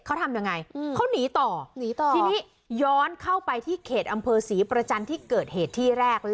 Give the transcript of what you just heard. เขาทำยังไงเขาหนีต่อหนีต่อทีนี้ย้อนเข้าไปที่เขตอำเภอศรีประจันทร์ที่เกิดเหตุที่แรก